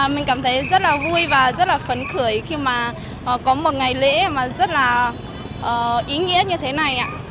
mình cảm thấy rất là vui và rất là phấn khởi khi mà có một ngày lễ mà rất là ý nghĩa như thế này ạ